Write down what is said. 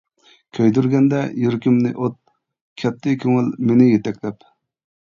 كۆيدۈرگەندە يۈرىكىمنى ئوت، كەتتى كۆڭۈل مېنى يېتەكلەپ.